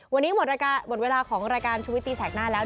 วันนี้หมดเวลาของรายการชุวิตตีแสกหน้าแล้ว